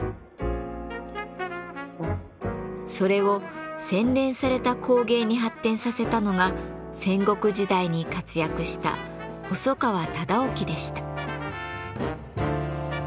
それを洗練された工芸に発展させたのが戦国時代に活躍した細川忠興でした。